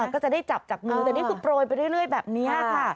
ก็จะได้จับจับมือแต่นี่คือโปรยไปเรื่อยแบบนี้ค่ะ